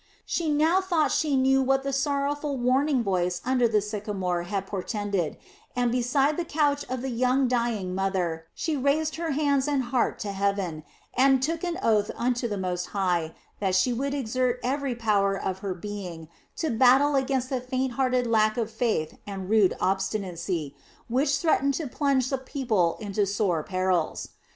She now thought she knew what the sorrowful warning voice under the sycamore had portended, and beside the couch of the young dying mother she raised her hands and heart to Heaven and took an oath unto the Most High that she would exert every power of her being to battle against the faint hearted lack of faith and rude obstinacy, which threatened to plunge the people into sore perils.